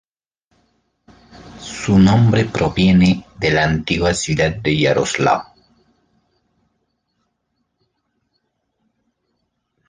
Su nombre proviene de la antigua ciudad de Yaroslavl.